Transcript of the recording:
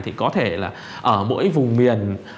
thì có thể là ở mỗi vùng miền